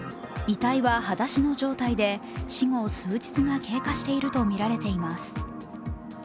遺体ははだしの状態で死後数日が経過しているとみられています。